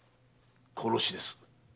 殺しです。